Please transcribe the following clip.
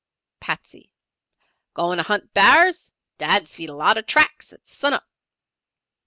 Patsey. "Goin' to hunt bars? Dad seed a lot o' tracks at sun up."